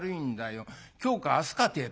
今日か明日かてえとこなの」。